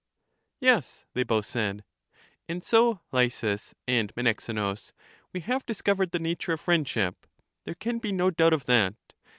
Yes, they both said. And so. Lysis and Menexenus, we have discovered the nature of friendship: there can be no doubt of that.